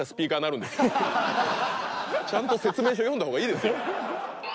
ちゃんと説明書読んだ方がいいですよ。